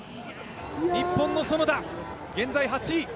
日本の園田、現在８位。